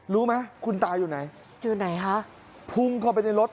รู้ไหมคุณตาอยู่ไหนอยู่ไหนคะพุ่งเข้าไปในรถ